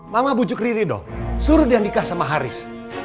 mama bujuk riri dong suruh dia nikah sama haris